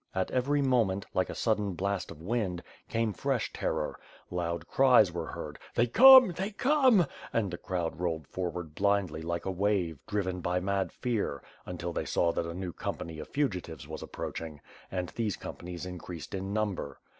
At every moment, like a sudden blast of wind, came fresh terror. Loud cries were heard; "they come! they come!" and the crowd rolled forward blindly like a wave, driven by mad fear, until they saw that a new company of fugitives was approach ing: and these companies increased in number.